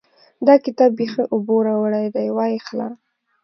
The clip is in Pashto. دا کتاب بېخي اوبو راوړی دی؛ وايې خله.